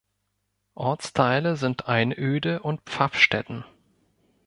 Ortsteile sind Einöde und Pfaffstätten.